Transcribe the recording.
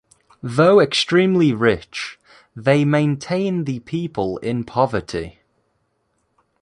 Though extremely rich, they maintain the people in poverty.